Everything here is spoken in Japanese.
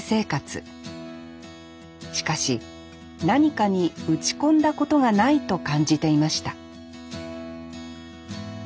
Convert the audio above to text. しかし何かに打ち込んだことがないと感じていました